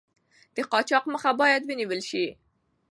د قاچاق مخه باید ونیول شي.